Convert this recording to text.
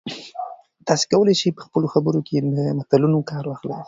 تاسي کولای شئ په خپلو خبرو کې له متلونو کار واخلئ.